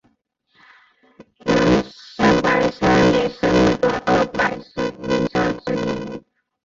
能乡白山也是日本二百名山之一。